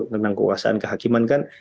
tentang kekuasaan kehakiman